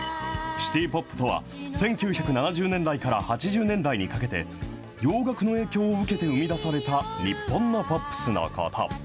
シティ・ポップとは、１９７０年代から８０年代にかけて、洋楽の影響を受けて生み出された日本のポップスのこと。